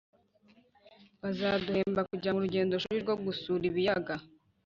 bazaduhemba kujya mu rugendoshuri rwo gusura ibiyaga